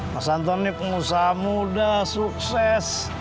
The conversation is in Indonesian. mas anton ini pengusaha muda sukses